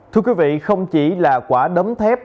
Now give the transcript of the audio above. thưa quý vị không chỉ là quả đấm thép